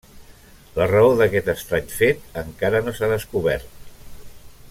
La raó d'aquest estrany fet encara no s'ha descobert.